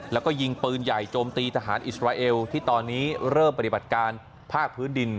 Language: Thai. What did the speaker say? แล้วก็ยิงปืนใหญ่โจมตีทหารอิสราเอลที่ตอนนี้เริ่มปฏิบัติการภาคพื้นดิน